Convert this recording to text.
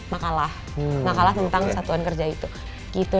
makalah makalah tentang satuan kerja itu